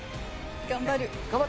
頑張る。